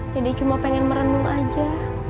cuma pengen merenung aja